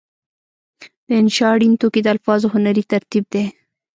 د انشأ اړین توکي د الفاظو هنري ترتیب دی.